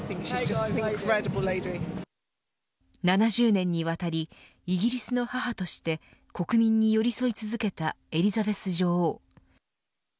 ７０年にわたりイギリスの母として国民に寄り添い続けたエリザベス女王。